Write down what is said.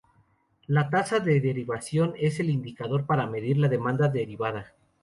La tasa de derivación es el indicador para medir la demanda derivada.